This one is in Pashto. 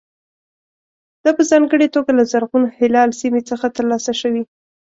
دا په ځانګړې توګه له زرغون هلال سیمې څخه ترلاسه شوي.